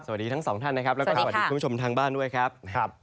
สวัสดีทั้งสองท่านนะครับแล้วก็สวัสดีคุณผู้ชมทางบ้านด้วยครับ